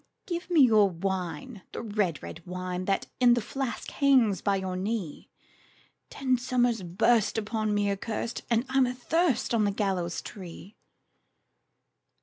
"Give me your wine, the red, red wine, That in the flask hangs by your knee! Ten summers burst on me accurst, And I'm athirst on the gallows tree."